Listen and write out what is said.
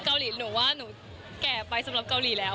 เกาหลีหนูว่าหนูแก่ไปสำหรับเกาหลีแล้ว